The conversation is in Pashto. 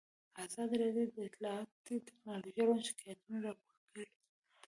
ازادي راډیو د اطلاعاتی تکنالوژي اړوند شکایتونه راپور کړي.